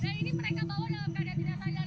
dan ini mereka bawa dalam keadaan tidak tajam